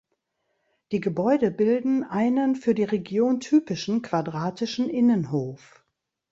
Die Gebäude bilden einen für die Region typischen quadratischen Innenhof.